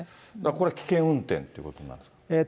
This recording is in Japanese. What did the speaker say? これ、危険運転ということになるんですか。